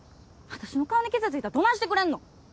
私の顔に傷ついたらどないしてくれんのん？